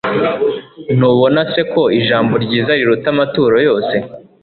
ntubona se ko ijambo ryiza riruta amaturo yose